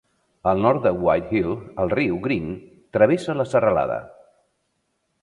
Al nord de White Hill, el riu Green travessa la serralada.